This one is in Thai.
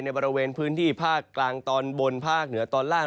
บริเวณพื้นที่ภาคกลางตอนบนภาคเหนือตอนล่าง